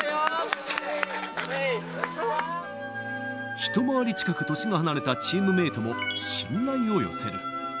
一回り近く年が離れたチームメートも、信頼を寄せる。